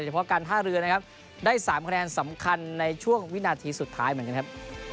เพาะการท่าเรือนะครับได้๓คะแนนสำคัญในช่วงวินาทีสุดท้ายเหมือนกันครับ